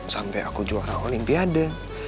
sampai aku juara olimpiade